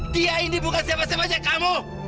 tia ini bukan siapa siapa saja kamu